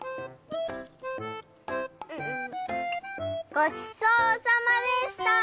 ごちそうさまでした！